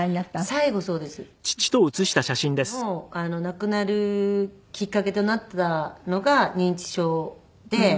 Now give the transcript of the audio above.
最後の亡くなるきっかけとなったのが認知症で。